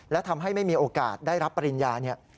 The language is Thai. และทำให้ไม่มีโอกาสได้รับปริญญาเนี่ย